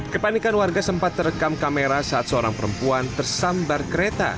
kepanikan warga sempat terekam kamera saat seorang perempuan tersambar kereta